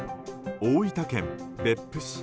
大分県別府市。